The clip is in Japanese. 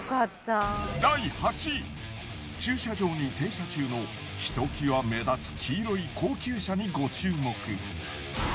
第８位駐車場に停車中のひと際目立つ黄色い高級車にご注目。